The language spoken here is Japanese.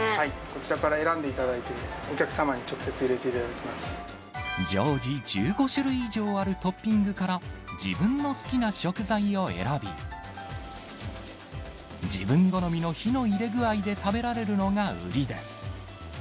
こちらから選んでいただいて、常時、１５種類以上あるトッピングから、自分の好きな食材を選び、自分好みの火の入れ具合で食べられるのが売りです。